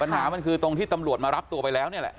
ปัญหามันคือตรงที่ตำรวจมารับตัวไปแล้วนี่แหละ